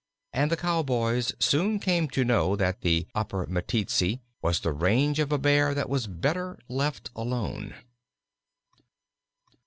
And the cow boys soon came to know that the Upper Meteetsee was the range of a Bear that was better let alone.